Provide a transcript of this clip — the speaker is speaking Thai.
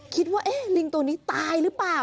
คิดว่าลิงตัวนี้ตายหรือเปล่า